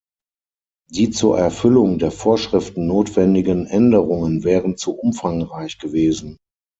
Die zur Erfüllung der Vorschriften notwendigen Änderungen wären zu umfangreich gewesen.